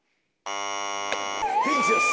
ピンチです。